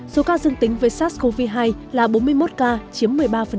số ca dương tính với sars cov hai là bốn mươi một ca chiếm một mươi ba